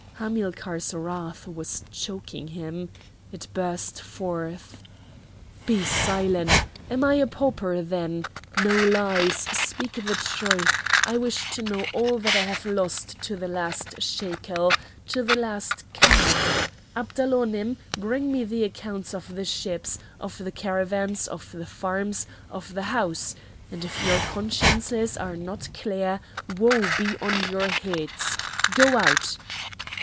—" Hamilcar's wrath was choking him. It burst forth: "Be silent! Am I a pauper then? No lies! speak the truth! I wish to know all that I have lost to the last shekel, to the last cab! Abdalonim, bring me the accounts of the ships, of the caravans, of the farms, of the house! And if your consciences are not clear, woe be on your heads! Go out!"